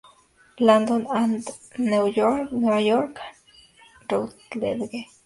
London and New York Routledge.